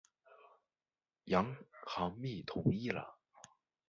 杨行密同意了。